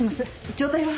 状態は？